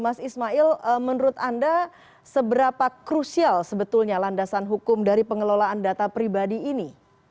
mas ismail menurut anda seberapa krusial sebetulnya landasan hukum dari pengelolaan data pribadi ini